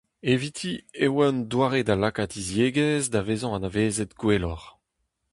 Eviti e oa un doare da lakaat he ziegezh da vezañ anavezet gwelloc'h.